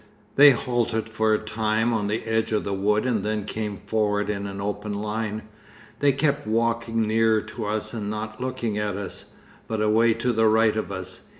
They halted for a time on the edge of the wood and then came forward in an open line. They kept walking nearer to us and not looking at us, but away to the right of us.